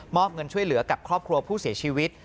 เงินช่วยเหลือกับครอบครัวผู้เสียชีวิต